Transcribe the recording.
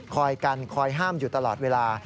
กันคอยห้ามอยู่ตลอดเวลา